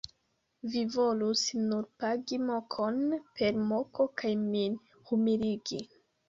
Vi volus nur pagi mokon per moko kaj min humiligi.